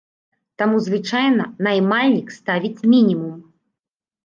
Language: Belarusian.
Таму звычайна наймальнік ставіць мінімум.